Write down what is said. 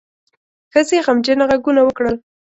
ښځې غمجنه غږونه وکړل.